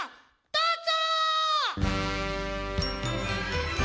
どうぞ！